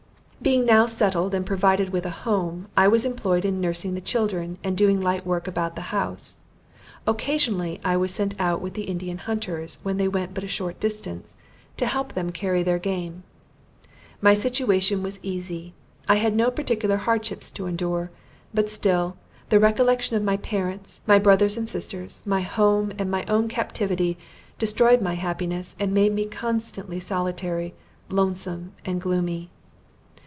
Being now settled and provided with a home, I was employed in nursing the children, and doing light work about the house. Occasionally I was sent out with the Indian hunters, when they went but a short distance, to help them carry their game. My situation was easy; I had no particular hardships to endure. But still, the recollection of my parents, my brothers and sisters, my home, and my own captivity, destroyed my happiness, and made me constantly solitary, lonesome and gloomy.